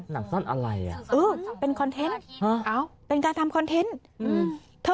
หนังสั้นอะไรอ่ะเออเป็นคอนเทนต์เป็นการทำคอนเทนต์อืมเธอ